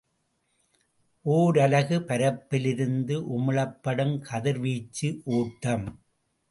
ஓரலகு பரப்பிலிருந்து உமிழப்படும் கதிர்வீச்சு ஒட்டம்.